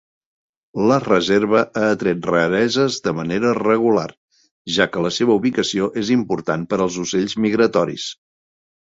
La reserva ha atret rareses de manera regular, ja que la seva ubicació és important per als ocells migratoris.